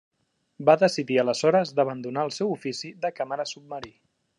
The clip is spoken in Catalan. Va decidir aleshores d'abandonar el seu ofici de càmera submarí.